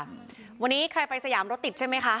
คุณวราวุฒิศิลปะอาชาหัวหน้าภักดิ์ชาติไทยพัฒนา